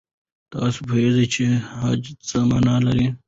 تاسو پوهېږئ چې خج څه مانا لري؟